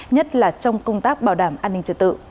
nhất là trong công tác bảo đảm an ninh trật tự